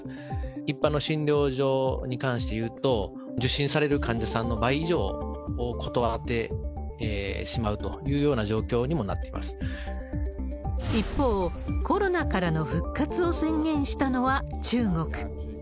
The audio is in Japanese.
一般の診療所に関していうと、受診される患者さんの倍以上を断ってしまうというような状況にも一方、コロナからの復活を宣言したのは中国。